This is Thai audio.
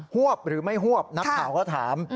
วบหรือไม่หวบนักข่าวก็ถาม